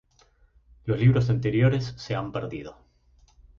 Los libros anteriores, se han perdido.